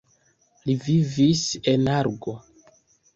Li vivis en Argo.